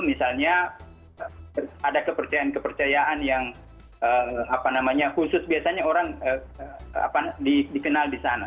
misalnya ada kepercayaan kepercayaan yang khusus biasanya orang dikenal di sana